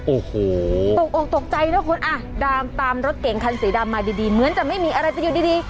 โอ้โหตกออกตกใจนะคุณอ่ะตามรถเก่งคันสีดำมาดีเหมือนจะไม่มีอะไรจะอยู่ดี